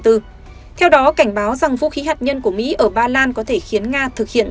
theo đó cảnh báo rằng vũ khí hạt nhân của mỹ ở ba lan có thể khiến nga thực hiện